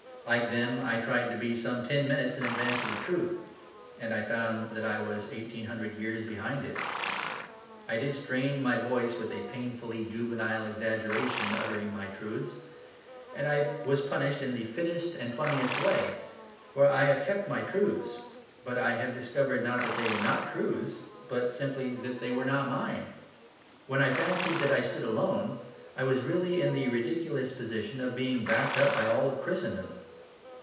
Like them I tried to be some ten minutes in advance of the truth. And I found that I was eighteen hundred years behind it. I did strain my voice with a painfully juvenile exaggeration in uttering my truths. And I was punished in the fittest and funniest way, for I have kept my truths: but I have discovered, not that they were not truths, but simply that they were not mine. When I fancied that I stood alone I was really in the ridiculous position of being backed up by all Christendom.